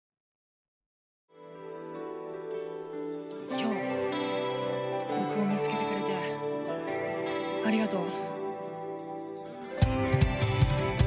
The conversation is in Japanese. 今日僕を見つけてくれてありがとう。